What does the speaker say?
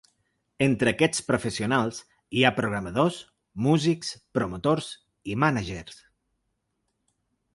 Entre aquests professionals, hi ha programadors, músics, promotors i mànagers.